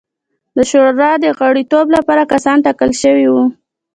د شورا د غړیتوب لپاره کسان ټاکل شوي وو.